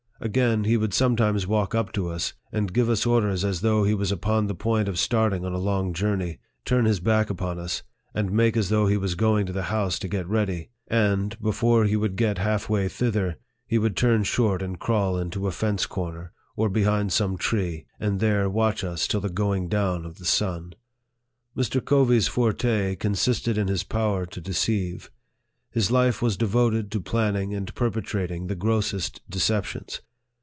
Again, he would sometimes walk up to us, and give us orders as though he was upon the point of starting on a long journey, turn his back upon us, and make as though he was going to the house to get ready ; and, before he would get half way thither, he would turn short and crawl into a fence corner, or behind some tree, and there watch us till the going down of the sun. Mr. Covey's forte consisted in his power to deceive. His life was devoted to planning and perpetrating the grossest deceptions.